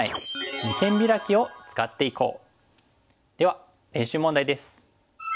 では練習問題です。